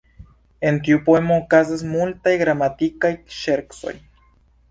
En tiu poemo okazas multaj gramatikaj ŝercoj.